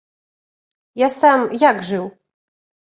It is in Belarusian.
Я сам як жыў?